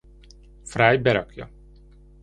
Fry berakja.